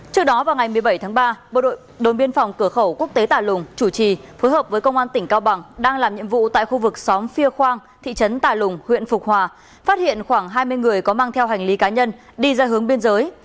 trước đó vào ngày một mươi bảy tháng ba bộ đội biên phòng cửa khẩu quốc tế tà lùng chủ trì phối hợp với công an tỉnh cao bằng đang làm nhiệm vụ tại khu vực xóm phia khoang thị trấn tà lùng huyện phục hòa phát hiện khoảng hai mươi người có mang theo hành lý cá nhân đi ra hướng biên giới